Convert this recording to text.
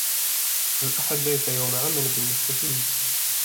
الأحد ليس يوم عمل بالنسبة لي.